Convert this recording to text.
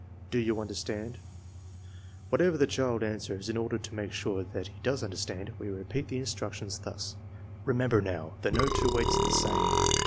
Do you understand ? '^Whatever the child answers, in order to make sure that ne does understand, we repeat the instructions thu./" Remember now, that no two weights are the same.